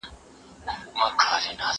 زه اوږده وخت اوبه پاکوم؟!